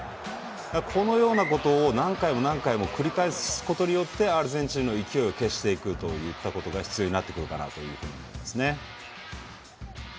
このようなことを何回も繰り返すことによってアルゼンチンの勢いを消していくことが必要になるかなと思います。